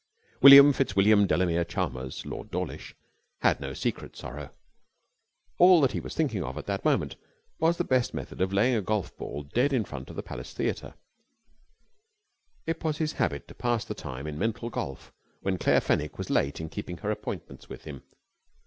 William FitzWilliam Delamere Chalmers, Lord Dawlish, had no secret sorrow. All that he was thinking of at that moment was the best method of laying a golf ball dead in front of the Palace Theatre. It was his habit to pass the time in mental golf when Claire Fenwick was late in keeping her appointments with him.